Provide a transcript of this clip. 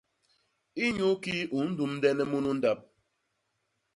Inyuukii u ndumdene munu ndap?